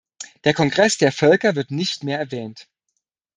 Der Kongress der Völker wird nicht mehr erwähnt.